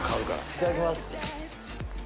いただきます。